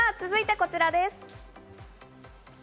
続いてこちらです。